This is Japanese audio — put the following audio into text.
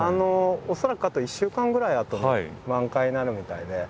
恐らくあと１週間ぐらいあとに満開になるみたいで。